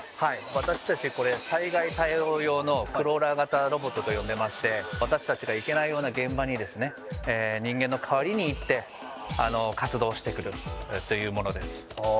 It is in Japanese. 私たち、これ災害対応用のクローラー型ロボットと呼んでまして私たちが行けないような現場に人間の代わりに行って活動してくれるというものです。